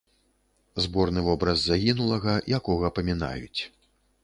Зборны вобраз загінулага, якога памінаюць.